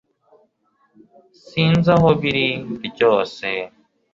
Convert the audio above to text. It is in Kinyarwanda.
sinzi aho biri ryose